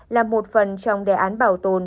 là một phần trong đề án bảo tồn